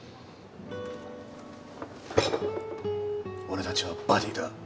俺たちはバディだ。